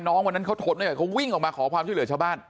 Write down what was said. วันนั้นเขาทนไม่ไหวเขาวิ่งออกมาขอความช่วยเหลือชาวบ้าน